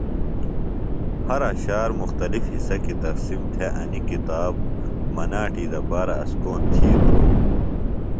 ہر اشعار مختلف حصہ کیۡ تقسیم تھےࣿ انیۡ کتاب مناٹی دپارہ اسکون تِھیلوۡ ہِنوࣿ۔